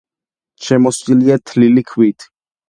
შემოსილია თლილი ქვით.